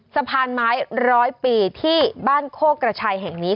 สะพานไม้ร้อยปีที่บ้านโคกระชัยแห่งนี้